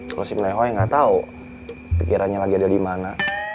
kalo si mehoi gatau pikirannya lagi ada dimana